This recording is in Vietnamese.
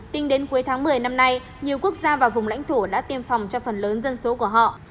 tính đến cuối tháng một mươi năm nay nhiều quốc gia và vùng lãnh thổ đã tiêm phòng cho phần lớn dân số của họ